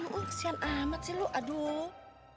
kasihan amat sih lu aduh